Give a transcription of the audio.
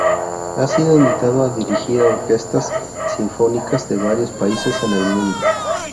Ha sido invitado a dirigir orquestas sinfónicas de varios países en el mundo.